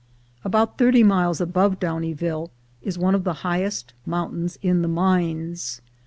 About thirt} miles above Do « nieville is one of the highest mountains in the mines.